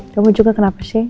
kamu juga kenapa sih